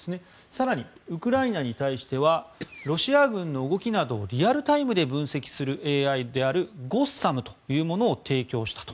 更にウクライナに対してはロシア軍の動きなどをリアルタイムで分析するＡＩであるゴッサムというものを提供したと。